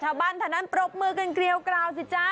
ชาวบ้านธนันตร์ปรบมือกันเกลียวกล่าวสิจ๊ะ